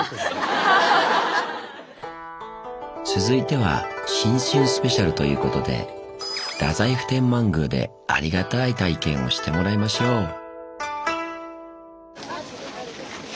続いては新春スペシャルということで太宰府天満宮でありがたい体験をしてもらいましょう！